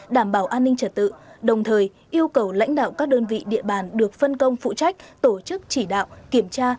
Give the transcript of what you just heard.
đảm bảo an ninh trật tự đồng thời yêu cầu lãnh đạo các đơn vị địa bàn được phân công phụ trách tổ chức chỉ đạo kiểm tra